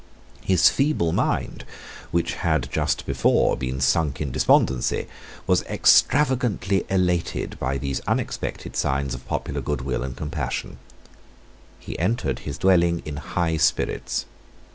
His feeble mind, which had just before been sunk in despondency, was extravagantly elated by these unexpected signs of popular goodwill and compassion. He entered his dwelling in high spirits.